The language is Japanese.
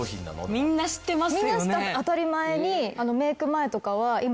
みんな当たり前に。